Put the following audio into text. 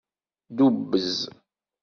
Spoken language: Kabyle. Dubbez.